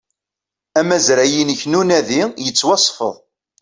Amazray-inek n unadi yettwasfed